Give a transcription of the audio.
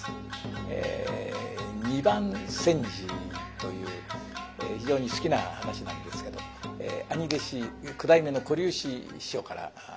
「二番煎じ」という非常に好きな噺なんですけど兄弟子九代目の小柳枝師匠から習いました。